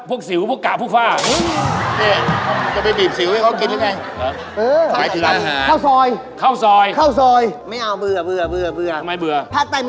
ถูกมีความรู้สึกว่าไม่อยากกินน่ะ